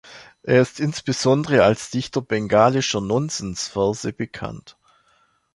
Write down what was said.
Er ist insbesondere als Dichter bengalischer Nonsense-Verse bekannt.